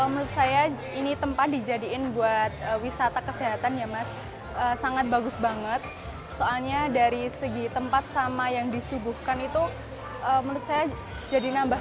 kesehatan di jejamuran setiap wisatawan bisa menikmati kelezatan olahan makanan dan minuman berbahan baku jamur